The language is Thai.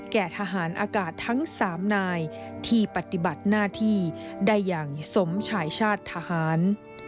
แก่ทหารอากาศทั้ง๓นายที่ปฏิบัติหน้าที่ได้อย่างสมชายชาติทหาร